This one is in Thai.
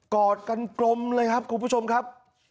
อดกันกลมเลยครับคุณผู้ชมครับ